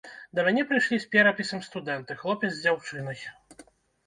Да мяне прыйшлі з перапісам студэнты, хлопец з дзяўчынай.